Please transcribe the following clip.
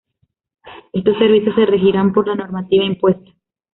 Estos servicios se regirán por la normativa impuesta.